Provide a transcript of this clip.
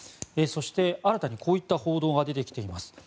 そして、新たにこういった報道が出てきています。